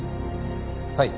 はい。